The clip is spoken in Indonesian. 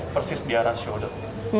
persis di arah shoulder